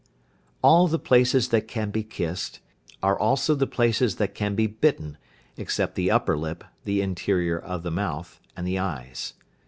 All the places that can be kissed, are also the places that can be bitten, except the upper lip, the interior of the mouth, and the eyes.